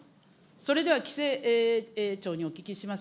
それでは規制庁にお聞きします。